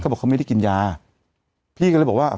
บอกเขาไม่ได้กินยาพี่ก็เลยบอกว่า